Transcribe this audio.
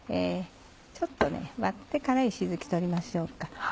ちょっと割ってから石づき取りましょうか。